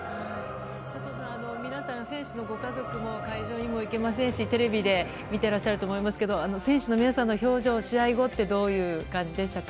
佐藤さん、皆さん、選手のご家族も会場にも行けませんし、テレビで見てらっしゃると思いますけど、選手の皆さんの表情、試合後ってどういう感じでしたか？